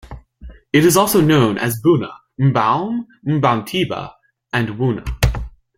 It is also known as Buna, Mboum, Mboumtiba, and Wuna.